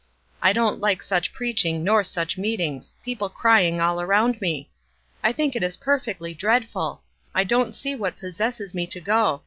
I don't like such preaching nor such meetings — people crying all around me. I think it is perfectly dreadful. I don't see what possesses me to go.